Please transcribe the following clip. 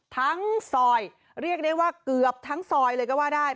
ทั้งซอยเรียกได้ว่าเกือบทั้งซอยเลยก็ว่าได้